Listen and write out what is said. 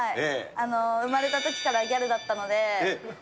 生まれたときからギャルだっ